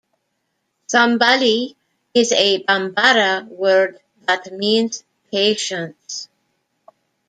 "Sabali" is a Bambara word that means patience.